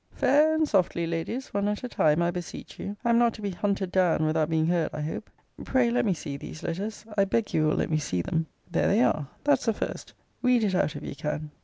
Fair and softly, Ladies one at a time, I beseech you. I am not to be hunted down without being heard, I hope. Pray let me see these letters. I beg you will let me see them. There they are: that's the first read it out, if you can.